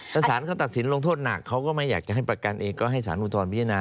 ถ้าสารเขาตัดสินลงโทษหนักเขาก็ไม่อยากจะให้ประกันเองก็ให้สารอุทธรณพิจารณา